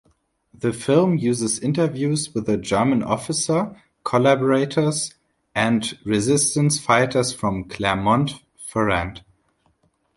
The film uses interviews with a German officer, collaborators, and resistance fighters from Clermont-Ferrand.